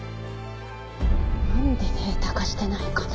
なんでデータ化してないかな。